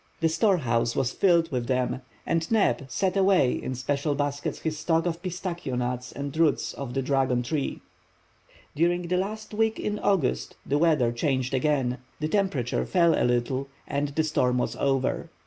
The storehouse was filled with them, and Neb set away in special baskets his stock of pistachio nuts and roots of the dragon tree. During the last week in August the weather changed again, the temperature fell a little, and the storm was over.